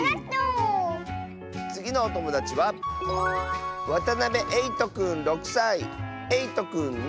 つぎのおともだちはえいとくんの。